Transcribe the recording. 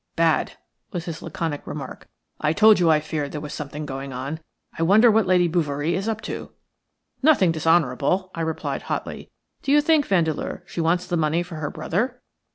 "Bad," was his laconic remark. "I told you I feared there was something going on. I wonder what Lady Bouverie is up to?" "Nothing dishonourable," I replied, hotly. "Do you think, Vandeleur, she wants the money for her brother?"